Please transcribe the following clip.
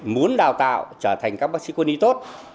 muốn đào tạo trở thành các bác sĩ quân y tốt